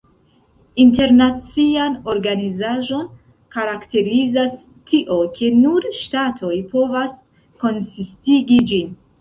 Internacian organizaĵon karakterizas tio, ke "nur ŝtatoj povas konsistigi ĝin".